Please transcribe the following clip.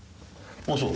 あっそう？